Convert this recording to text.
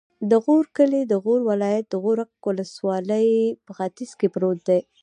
د غورک کلی د غور ولایت، غورک ولسوالي په ختیځ کې پروت دی.